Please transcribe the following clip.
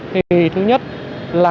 thì thứ nhất là